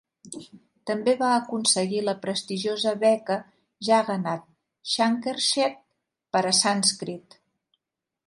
També va aconseguir la prestigiosa Beca Jagannath Shankersheth per a sànscrit.